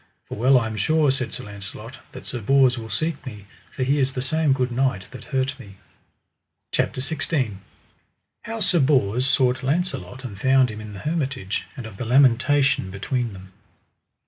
For well I am sure, said Sir Launcelot, that Sir Bors will seek me, for he is the same good knight that hurt me. CHAPTER XVI. How Sir Bors sought Launcelot and found him in the hermitage, and of the lamentation between them.